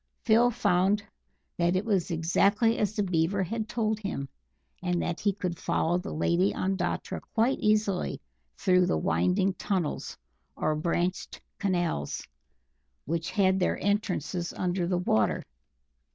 Phil found that it was exactly as the Beaver had told him, and that he could follow the Lady Ondatra quite easily through the winding tunnels, or branched canals, which had their entrances under the water.